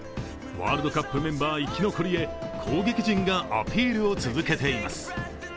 ワールドカップメンバー生き残りへ攻撃陣がアピールを続けています。